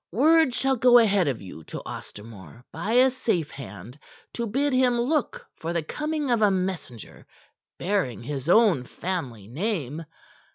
Word shall go ahead of you to Ostermore by a safe hand to bid him look for the coming of a messenger bearing his own family name.